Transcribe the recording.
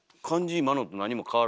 今のと何も変わらない。